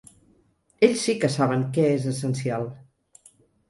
Ells sí que saben què és essencial.